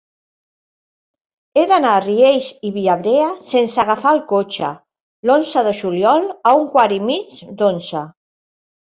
He d'anar a Riells i Viabrea sense agafar el cotxe l'onze de juliol a un quart i mig d'onze.